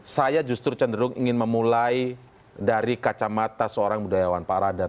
saya justru cenderung ingin memulai dari kacamata seorang budayawan pak radar